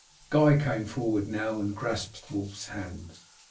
Guy came forward now and grasped Wulf's hand.